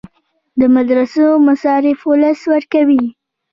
د مدرسو مصارف ولس ورکوي